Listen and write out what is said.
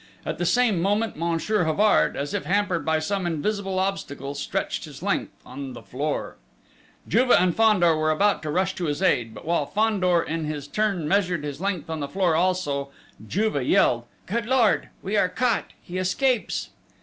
At the same moment, Monsieur Havard, as if hampered by some invisible obstacle, stretched his length on the floor! Juve and Fandor were about to rush to his aid ... but while Fandor, in his turn, measured his length on the floor also, Juve yelled: "Good lord!... We are caught!... He escapes!..."